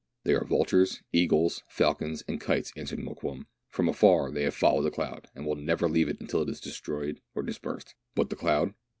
" They are vultures, eagles, falcons, and kites," answered Mokoum, "from afar they have followed the cloud, and will never leave it until it is destroyed or dispersed." "But the cloud?"